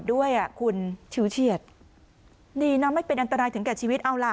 ดีนะไม่เป็นอันตรายถึงกับชีวิตเอาล่ะ